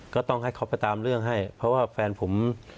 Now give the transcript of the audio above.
ก็ต้องให้เขาไปตามเรื่องให้เพราะว่าแฟนผม